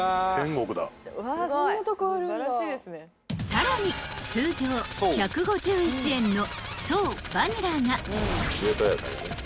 ［さらに通常１５１円の爽バニラが］